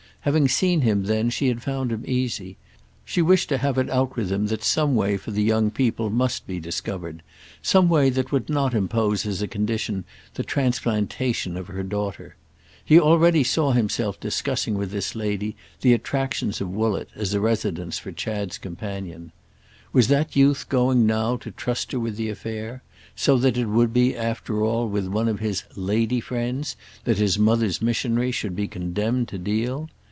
Having seen him then she had found him easy; she wished to have it out with him that some way for the young people must be discovered, some way that would not impose as a condition the transplantation of her daughter. He already saw himself discussing with this lady the attractions of Woollett as a residence for Chad's companion. Was that youth going now to trust her with the affair—so that it would be after all with one of his "lady friends" that his mother's missionary should be condemned to deal?